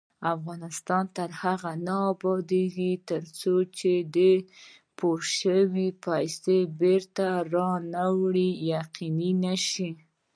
افغانستان تر هغو نه ابادیږي، ترڅو د پورې شوو پیسو بېرته راوړل یقیني نشي.